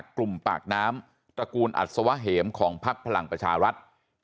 กลุ่มปากน้ำตระกูลอัศวะเหมของพักพลังประชารัฐ